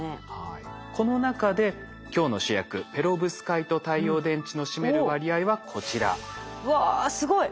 この中で今日の主役ペロブスカイト太陽電池の占める割合はこちら。わすごい。